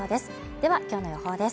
では、今日の予報です